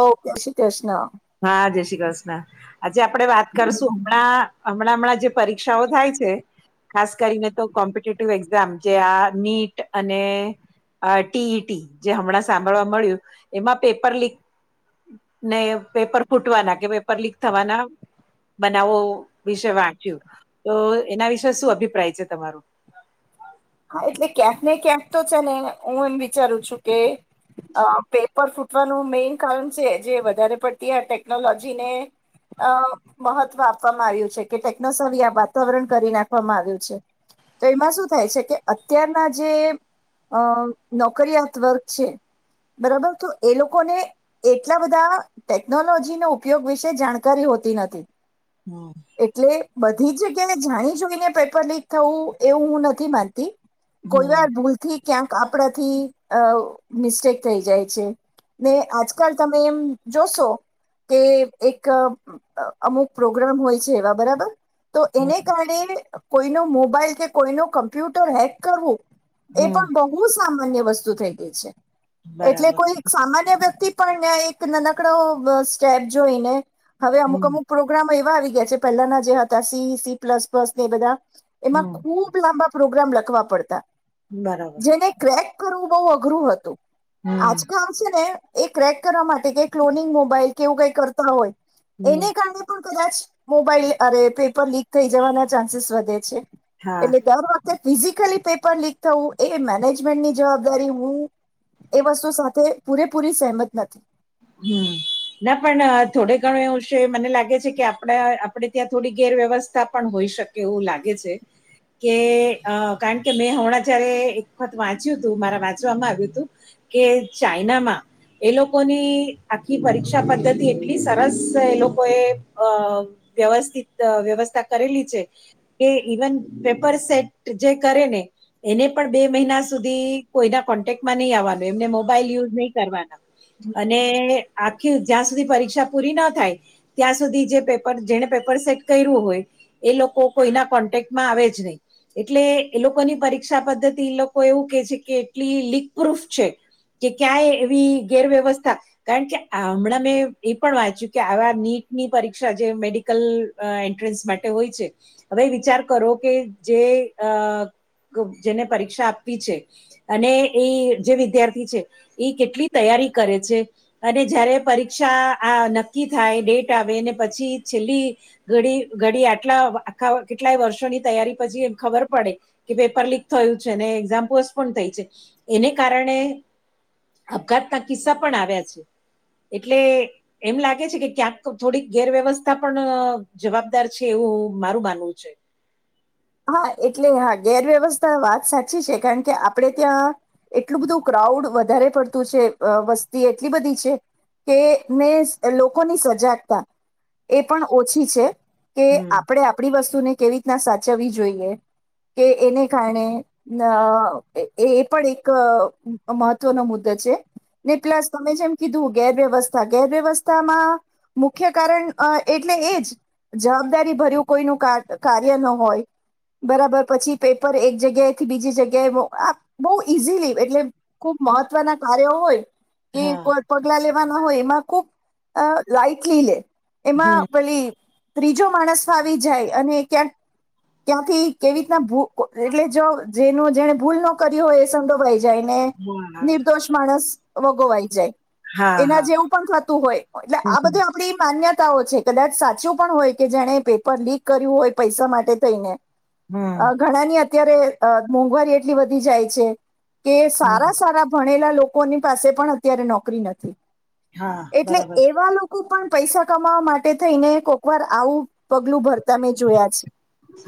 Okay Shri Krishna હા જય શ્રી કૃષ્ણ આજે આપડે વાત કરશું હમણાં હમણાં હમણાં જે પરીક્ષાઓ થાય છે ખાસ કરીને તો કોમ્પિટેટિવ એક્ઝામ જે આ નીટ અને અ ટીઈટી જે હમણાં સાંભળવા મળ્યું એમાં પેપર લીક ને પેપર ફૂટવાના કે પેપર લીક થવાના બનાવો વિશે વાંચ્યું તો એના વિશે શું અભિપ્રાય છે તમારો હા હા એટલે ક્યાંક ને ક્યાંક તો છે ને હું એમ વિચારું છું કે અ પેપર સુ નું મેઈન કારણ છે જે વધારે પડતી આ ટેકનોલોજી ને અ મહત્વ આપવામાં આવ્યું છે કે ટેકનો સવી આ વાતાવરણ કરી નાખવામાં આવ્યું છે તો એમાં શું થાય છે કે અત્યારના જે અ નોકરીિયાત વર્ગ છે બરાબર તો એ લોકોને એટલા બધા ટેકનોલોજી ન ઉપયોગ વિશે જાણકારી હોય નથી હમ એટલે બધ ી જગ્યાએ જાણી જોઈને પેપર લીક થવું એવું હું નથી માનતી કોઈ હમ વાર ભૂલથી ક્યાંક આપણાથી અ મિસ્ટેક થઈ જાય છે ને આજકાલ તમે એમ જોશો કે એક અમુક પ્રોગ્રામ હોય છે એવા બરાબર તો હમ એને કારણે કોઈનો મોબાઈલ કે કોઈ ન કમ્પ્યુટર હેક કરવું એ પણ હમ બહુ સામાન્ય વસ્તુ થઈ ગઈ છે એટલે બરાબર કોઈ સામાન્ય વ્યક્તિ પણ એક નાનાકડો સ્ટેપ જોઈને હવે અમુક હમ અમુક પ્રોગ્રામ એવા આવી યા પેલાના જે હતા સી સ પ્લસ પ્સ બધા એમાં હમ ખુબ લાંબા પ્રોગ્રામ લખવા બરાબર જેને ક્રેક કરવું બહ અઘરું હતું હમ આજ કામ છે ને એ ક્રેક કરવા માટે કે ક્લોનિંગ મોબાઈલ કેવું કઈ કરતા હોય હમ એને કારણે પણ કદાચ મોબાઈલ અરે પેપર લીક થઈ જવાના ચાન્સીસ વધે છે હા એટલે કેવાની વાત ફિઝિકલી પેપર લીક થવું એ મેનેજમેન્ટની જવાબદારી હું એ વસ્તુ સાથે પૂરેપૂરી સહેમત નથી હમ ના પણ થોડે ઘણું એવું છે મને લાગે છે કે આપડા આપડે ત્યાં થોડી ગેરવ્યવસ્થા પણ હોઈ શકે એવું લાગે છે કે કારણ કે મેં હમણાં જયારે એક વખત વાંચ્યું હતું મારા વાંચવામાં આવ્યું હતું કે ચાઈનામાં એ લોકો લોકોની આખી પરીક્ષા પદ્ધતિ એટલી સરસ એ લોકો એ વ્યવસ્ વ્યવસ્થા કરેલી છે કે ઇવન પેપર સેટ જે કરે ને એને પણ બે મહિના સુધી કોઈના કોન્ટેક્ટમાં નહી આવવાનું એમને મોબાઈલ યુઝ નહી કરવાના અને આખી જ્યાં સુધી પરીક્ષા પૂરી ના થાય ત્યાં સુધી જે પેપર જેને પેપર સેટ કર્યું હોય એ લોકો કોઈના કોન્ટેક્ટમાં આવે જ નહીં એટલે એ લોકોની પરીક્ષા પદ્ધતિ એ લોકો એવું કે છે કે એટલી લીક પ્રૂફ છે કે ક્યાંય એવી ગેરવ્યવસ્થા કારણ કે હમણાં મેં એ પણ વાંચ્યું કે આવા નીટની પરીક્ષા જે મેડિકલ એન્ટ્રન્સ માટે હોય છે હવે વિચાર કરો કે જે અ જેને પરીક્ષા આપવી છે અને એ જે વિદ્યાર્થી છે એ કેટલી તૈયારી કરે છે અને જયારે પરીક્ષા આ નક્કી થાય ડેટ આવેને પછી છેલ્લી ઘડી ઘડી આટલા આખા કેટલાય વર્ષોની તૈયારી પછી એમ ખબર પડે કે પેપર લીક થ એઝામ્પ થઈ છે એને કારણે આપઘાત ના કિસ્સા પણ આવ્યા છે એટલે એમ લાગે છે કે ક્યાંક થોડીક ગેરવ્યવસ્થા પણ જવાબદાર છે એવું ઓ મારું માનવું છે. હા એટલે હા ગેરવ્યવસ્થા વાત સાચી છે, કારણ કે આપડે ત્યાં એટલું બધું કરાઉડ વધારે પડતું છે, અ વસ્તી એટલી બધી છે. કે ને લોકોની સજાગતા એ પણ ઓછી છે. કે હમ આપણેે આપણી વસ્તુને કેવી રીતના સાચવવી જોઈએ કે એને કારણે અ એ પણ એક મહત્વનો મુદ્દો છે, ને પ્લસ તમે જેમ કીધું ગેરવ્યવસ્થા ગેરવ્યવસ્થામાં મુખ્ય કારણ અ એટલે એજ જવાબદારી ભર્યું કોઈનું કા કાર્ય ન હોય. બરાબર પછી પેપર એક જગ્યાએથી બીજી જગ્યાએ આ બહુ ઈઝીલી એટલે ખુબ મહત્વના કાર્યો હોય કે હા કો પગલા લેવાના હોય એમાં ખુબ અ લાાઈટલીલે હમ એમાં પેલી ત્રીજો માણસ આવી જાય અને ક્યાંક ક્યાંથી કેવી રીતના ભુ એટલે જો જેનું જેને ભૂલ ન કરી હોય એ સંડોવાય જાયને હા નિર્દોષ માણસ વગોવાઈ જાય હા એના હા જેવું પણ થતું હોય એટલે હમ આ બધું આપડી માન્ય તાઓ છે, કદાચ સાચું પણ હોય કે જેણે પેપર લીક કર્યું હોય પૈસા માટે થઈને હમ અ ઘણાની અત્યારે અ મોંઘવારી એટલી વધી જાય છે. કે હમ. સારા સારા ભણેલા લોકોની પાસે પણ અત્યારે નોકરી નથી. હા એટલે બરાબર એવા લોકો પણ પૈસા કમાવા માટે થઈને કોક વાર આવું પગલું ભરતા મેં જોયા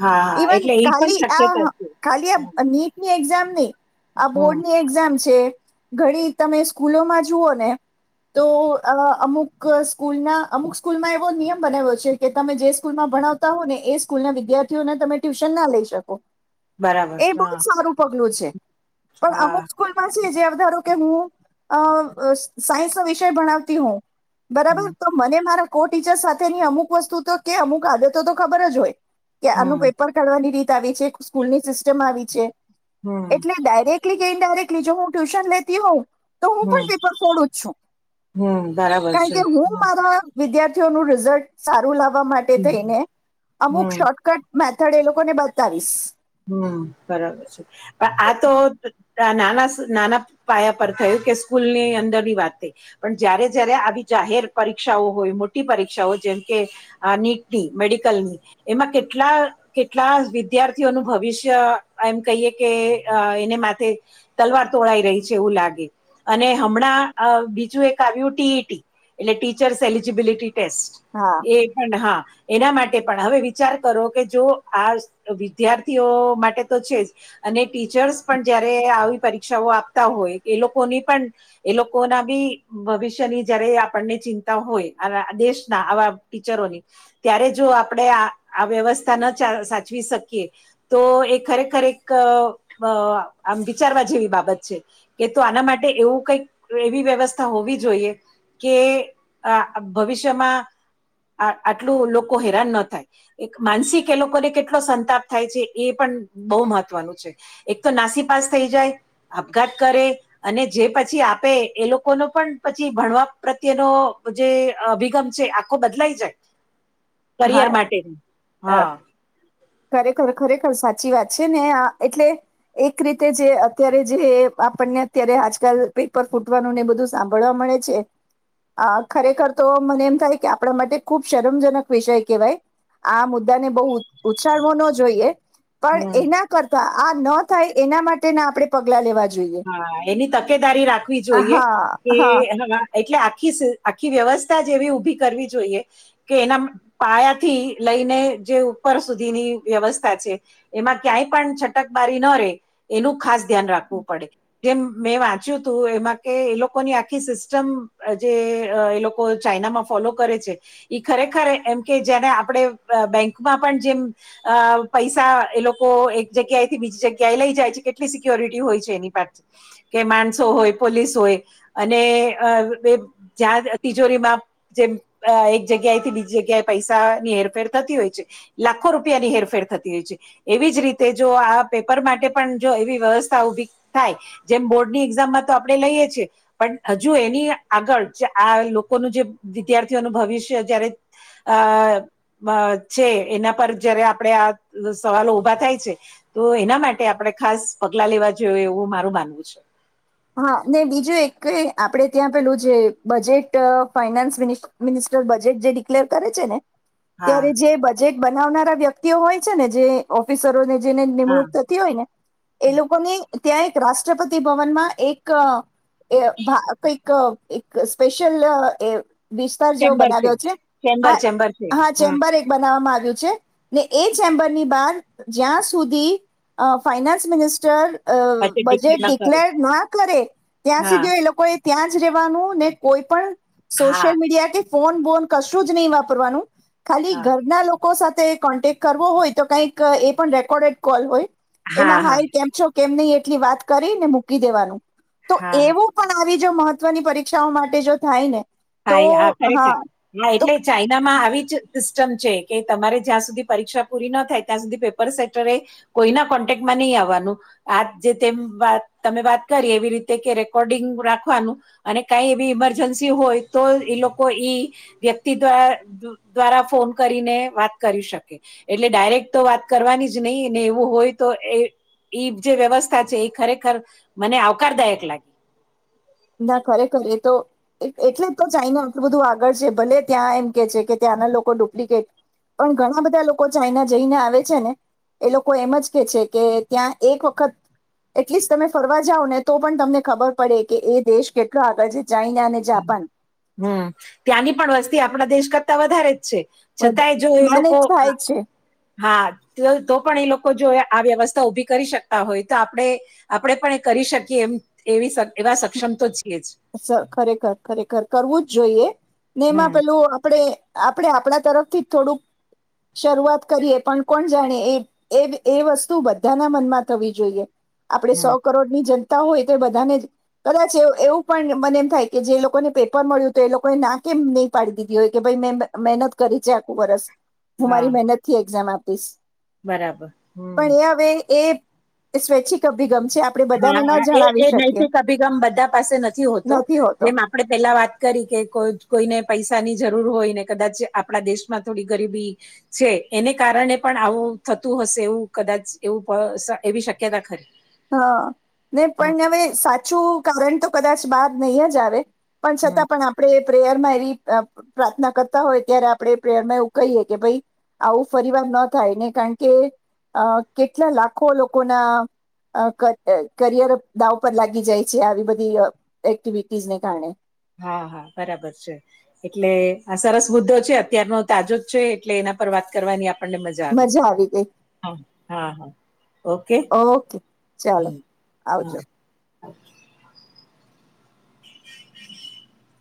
હા હા એટલે એ પણ કાલી શક્યતા આ છે ખાલી આમ હમ નીટની એક્ઝામ આ હમ બોર્ડ ની એક્ઝામ છે, ઘડી તમે સ્કૂલોમાં જુઓ ને તો અ અમુક સ્કૂલના અમુક સ્કૂલમાં એવો નિયમ બનાવ્યો છે, કે તમે જે સ્કૂલમાં ભણાવતા હોય ને એ સ્કૂલના વિદ્યાર્થીઓને તમે ટ્યુશનના લઈ શકો બરાબર એ બોવ જ હા સારું પગલું છે. પણ અમુક હા સ્કૂલ પાસે જે ધારો કે હું અ સાયન્સનો વિષય ભણાવતી હોઉ બરાબર હમ તો મને મારા કો ટીચર સાથેની અમુક વસ્તુ તો કે અમુક આદતો તો ખબર જ હોય કે આનું હમ પેપર કાઢવાની રીત આવી છે, સ્કૂલની સિસ્ટમ આવી છે. હમ એટલે ડાયરેક્ટલી કે ઇન્ડાયરેક્ટલી જો હું ટ્યુશન લેતી હોઉં તો હું પણ હમ પેપર ફોડું જ છું હમ બરાબર કારણ છે. કે હું મારા વિદ્યાર્થીઓનું રિઝલ્ટ સારું લાવવા માટે હમ થઈને હમ અમુક શોર્ટકટ મેથડ એ લોકો ને બતાવીશ હમ બરાબર છે, પણ આ તો નાના નાના પાયા પર થયું કે સ્કૂલની અંદરની વાત પણ જયારે જયારે આવી જાહેર પરીક્ષાઓ હોય મોટી પરીક્ષાઓ જેમ કે આ નીટની મેડિકલની એમાં કેટલા કેટલા વિધયાર થઈ ઓનુ ભવિષ્ય એમ કહીએ કે એને માથે તલવાર તોળાઈ રહી છે, એવું લાગે અને હમણાં અ બીજું એક આવ્યું ટીઈટી એટલે ટીચર્સ એલિજીબિલિટી ટેસ્ટ હા એ પણ હા એના માટે પણ હવે વિચાર કરો કે જો આ વિદ્યાર્થીઓ માટે તો છે, જ અને ટીચર્સ પણ જયારે આવી પરીક્ષાઓ આપતા હોય એ લોકોની પણ એલોકો ના બી ભવિષ્યની જયારે આપણને ચિંતા હોય [unintelligible] દેશ આવા ટીચરોની ત્યારે જો આપણે આ આ વયવસ્થા સાચવી શકીએ તો એ ખરેખર એક અ આમ વિચારવા જેવી બાબત છે, એ તો આના માટે એવું કઈક એવી વ્યવસ્થા હોવી જોઈએ કે આ ભવિષ્યમાં આ આટલું લોકો હેરાન ન થાય એક માનસિક એ લોકોને કેટલો સંતાપ થાય છે, એ પણ બો મહત્વનું છે, એક તો નાસીપાસ થઈ જાય આપઘાત કરે અને જે પછી આપે એ લોકોનો પણ પછી ભણવા પ્રત્યેનો જે અભિગમ છે, આખો બદલાઈ જાય કરિયર હા માટે હા ખરેખર ખરેખર સાચી વાત છે ને આ એટલે એક રીતે જે અત્યારે જે આપણને અત્યારે આજકાલ પેપર ફૂટવાનું ને બધું સાંભળવા મળ મળે છે આ ખરેખર તો મને એમ થાય કે આપણા માટે ખુબ શરમજનક વિષય કેહેવાય આ મુદ્દા ને બહુ ઉછાળવો ન જોઈએ પણ હમ એના કરતા આ ન થાય એના માટેના આપડે પગલા લેવાએ હા એની તકેદારી રાખવી જોઈએ હા કે હા એટલે આી આખી વ્યવસ્થા જ એવી ઉભી કરવી જોઈએ કે એના પાયાથી લઈને જે ઉપર સુધીની વ્યવસ્થા છે એમાં ક્યાંય પણ છટક માારી ન રે એનું ખ ધ્યાન રાખવું પ જેમ મેં વાંચ્યું હતું એમાં કે એ લોકોની આખી સિસ્ટમ જે ચાઈનામાં ફોલો કરે છે ખરેખર એમ કે જેને આપણે બેંકમાં પણ જેમ અ પૈસા એ લોકો એક જગ્યાએથી બીજી જગ્યાએ લઈ જાય છે કેટલી સિક્યોરિટી હોય છે તે ની પણ માણસો હોય પોલીસ હોય અને તિજોરીમાં જેમ એક જગ્યાએથી બીજી જગ્યાએ પૈસાની હેરફેર થતી હોય છે લાખો રૂપિયાની હેરફેર થતી હોય છે એવી જ રીતે જો આ પેપર માટે પણ જો એવી વ્યવસ્થા ઉભી થાય જેમ બોર્ડની એક્ઝામમાં તો આપણે લઈએ છીએ પણ હજુ એની આગળ આ લોકોનું જે વિદ્યાર્થીઓનું ભવિષ્ય જારે અ છે એના પર જયારે આપણેે આ સવાલો ઉભા થાય છે તો એના માટે આપણે ખાસ પગલા લેવા જો જો એવું મારું માનવું છે હા ને બીજું એક આપડે ત્યાં પેલું જે બજેટ ફાઈનાન્સ મિન મિન બજેટ જે ડિક્લેર કરે છે ને ત્યારે હા. જે બજેટ બનાવનારા વ્યક્તિઓ હોય છે ને જે ઓફિસરોને જેને હા નિમણૂક થતી હોય ને એ લોકોની ત્યાં એક રાષ્ટ્રપતિ ભવનમાં એક ભા એક એક સ્પેશલ એ વિસ્તાર જેવો બનાવ્યો છે ચેમ્બર હા ચેમ્બર છે હા ચેમ્બર એક બનાવવામાં આવે એ ચેમ્બરની બાર જ્યાં સુધી અ ફાયનાન્સ મિનિસ્ટર ડિક્લેર બજેટ ના કરું. ડિકલેર ના કરે ત્યાં હા સુધી એ લોકો એ ત્યાં જ રવાનું ને કોઈ પણ હા સોશિયલ મીડિયા કે ફોન બોન કશું જ નહીં વાપરવાનું હા ખાલી હા ઘરના લોકો સાથે કોન્ટેક કરવો હોય તો કઈક એ પણ રેકોર્ડેડ કોલ હોય હા એમાં હા હાય કેમ છો કેમને એટલી વાત કરીને મૂકી દેવાનું તો હા. એવું પણ આવી જો મહત્વની પરીક્ષાઓ માટે જો થાય ને તો હા હા ખરેખર હા તો એટલે ચાઈનામાં આવી જ સિસ્ટમ છે કે તમારે જ્યાં સુધી પરીક્ષા પૂરી ન થાય ત્યાં સુધી પેપર સેટરે કોઈના કોન્ટેક્ટમાં નહી આવવાનું આ જે તેમ તમે વાત કરી એવી રીતે કે રેકોર્ડિંગ રાખવાનું અને કઈ એવી ઇમરજન્સી હોય તો એ લોકો ઈ વ્યક્તિ દ્વા દ્વારા ફોન કરીને વાત કરી શકે એટલે ડાયરેક્ટ તો વાત કરવાની જ નહી ને એવું હોય તો એ એઈ જે વ્યવસ્થા છે એ ખરેખર મને આવકારદાયક લાગે ના ખરે ખરે તો એટલે જ તો ચાાઈને આટલું બધું આગળ છે ભલે ત્યાં એમ કે છે કે ત્યાંના લોકો ડુપ્લિકેટ પણ ઘણા બધા લોકો ચાઈના જઈને આવે છે ને એ લોકો એમ જ કે છે કે ત્યાં એક વખત એટલીસ્ટ તમે ફરવા જાવ ને તો પણ તમને ખબર પડે કે એ દેશ કેટલા હતા જે ચાઈના અને જાપાન હમ ત્યાંની પણ વસ્તી આપણા દેશ કરતા વધારે જ છે છતાંય જો એ મેનેજ લોકો થાય જ છે હા તો તો પણ એ લોકો જો આ વ્યવસ્થા ઉભી કરી શકતા હોય તો આપણે આપે પણ કરી શકી એ એવા સક્ષમ તો છીએ જ અચ્છા, ખરેખર-ખરેખર, કરવું જ જોઈએ. ને એમાં હમ પેલું આપડે આપડે આપણા તરફથી થોડુંક શરૂઆત કરીએ પણ કોણ જાણે એ એ વ એ વસ્તુ બધાના મનમાં થવી જોઈએ. આપડે સો હમ કરોડની જનતા હોય તો બધાને જ કદાચ એ એવું પણ મને એમ થાય કે જે લોકોને પેપર મળ્યું તું એ લોકોએ ના કેમ નહીં પાડી દીધી હોય, કે ભઈ મે મહેનત કરી રી છે આખું વરસ. હું હા મારી મહેનત થી એક્ઝામ આપીશ. બરાબર હમ પણ એ હવે એ એ સ્વૈચ્છિક અભીગમ હા, હા એ એ નૈતિક અભિગમ બધા પાસે નથ થી હતો. નથી હોતો જેમ આપણે પેલા વાત કરી કે કોઈ કોઈને પૈસાની જરૂર હોય ને કદાચ આપણા દેશમાં થોડી ગરીબી છે, એને કારણે પણ આવ વું થતું હશે એવું કદાચ એવું પણ સ એવી શક્યતા ખરી. હા ને પણ હવે સાચું કારણ તો કદાચ બાર નહી જ આવે. પણ હમ છતાં પણ આપડે પ્રેયર માં એવી અહ પ્રાર્થના કરતા હોય ત્યારે આપણેે પ્રેયર માં એવું કહીએ કે ભઈ આવું ફરી વાર ન થાય ને કારણ કે અહ કેટલા લાખો લોકોના અહ ક અહ કરિયર દાવ પર લાગી જાય છે આવી બધી અહ એક્ટિવિટીઝને કારણે. હા, હા બરાબર છે. એટલે આ સરસ મુદ્દો છે અત્યારનો તાજો જ છે એટલે એના પર વાત કરવાની આપને મજા આવી. હા, હા, હા. ઓકે, ઓકે ચાલો હા, આવજો હા. [inaudible]